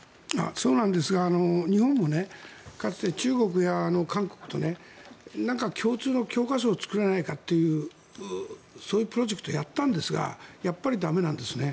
そうなんですが日本もかつて、中国や韓国と共通の教科書を作れないかとそういうプロジェクトをやったんですがやっぱり駄目なんですね。